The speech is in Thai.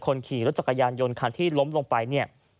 คนขี่รถจักรยานยนต์คันที่ล้มลงไปเนี่ย